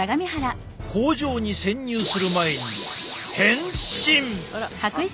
工場に潜入する前に変身！